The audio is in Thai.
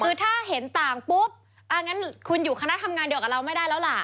คือถ้าเห็นต่างปุ๊บอ่างั้นคุณอยู่คณะทำงานเดียวกับเราไม่ได้แล้วล่ะ